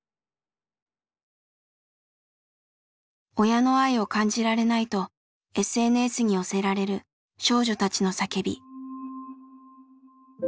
親の愛を感じられないとＳＮＳに寄せられる少女たちの叫び。